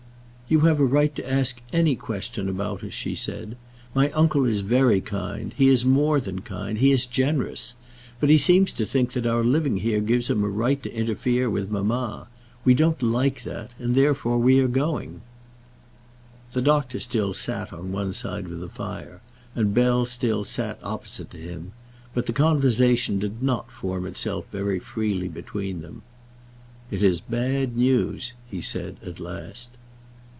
"You have a right to ask any question about us," she said. "My uncle is very kind. He is more than kind; he is generous. But he seems to think that our living here gives him a right to interfere with mamma. We don't like that, and, therefore, we are going." The doctor still sat on one side of the fire, and Bell still sat opposite to him; but the conversation did not form itself very freely between them. "It is bad news," he said, at last.